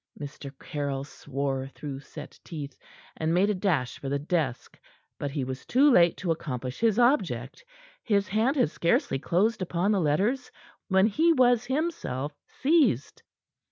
Mr. Caryll swore through set teeth, and made a dash for the desk. But he was too late to accomplish his object. His hand had scarcely closed upon the letters, when he was, himself, seized.